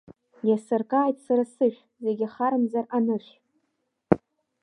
Иасыркааит сара сышә, зегь ахарамзар анышә.